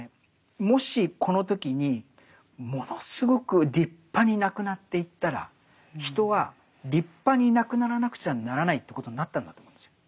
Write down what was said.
もしこの時にものすごく立派に亡くなっていったら人は立派に亡くならなくちゃならないということになったんだと思うんですよ。